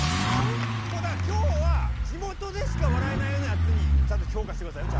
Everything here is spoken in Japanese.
もうだから今日は地元でしか笑えないようなやつにちゃんと評価して下さいよちゃんとね。